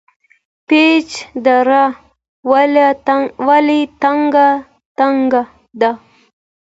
پیج دره ولې تنګه ده؟